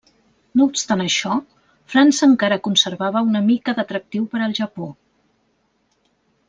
No obstant això, França encara conservava una mica d'atractiu per al Japó.